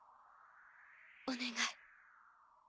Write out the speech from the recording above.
お願い。